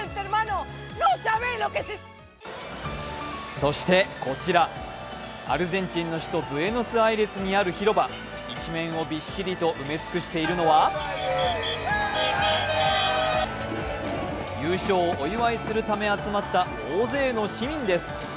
そして、こちら、アルゼンチンの首都ブエノスアイレスにある広場一面をびっしりと埋め尽くしているのは優勝をお祝いするため集まった大勢の市民です。